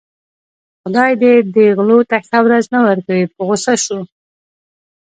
خدای دې دې غلو ته ښه ورځ نه ورکوي په غوسه شو.